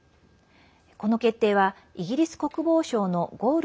この決定は、イギリス国防省のゴール